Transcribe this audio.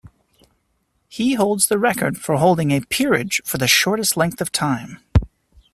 He holds the record for holding a peerage for the shortest length of time.